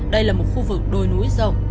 đây là một khu vực đôi núi rộng